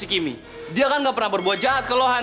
si kimi dia kan gak pernah berbuat jahat ke lohan